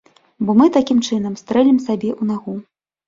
Бо мы такім чынам стрэлім сабе ў нагу.